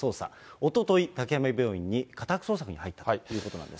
おととい、滝山病院に家宅捜索に入ったということなんです。